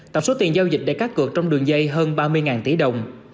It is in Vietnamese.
tổng số tiền giao dịch để cắt cược trong đường dây hơn ba mươi tỷ đồng